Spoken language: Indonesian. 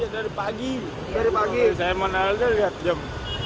dari pagi saya menariknya lihat jam